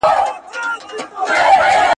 زه به سبا د سوالونو جواب ورکوم!؟